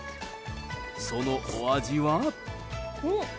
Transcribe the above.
そのお味は。